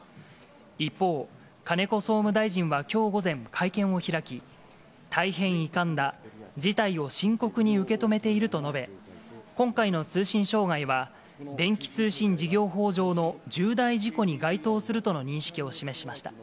一方、金子総務大臣はきょう午前、会見を開き、大変遺憾だ、事態を深刻に受け止めていると述べ、今回の通信障害は、電気通信事業法上の重大事故に該当するとの認識を示しました。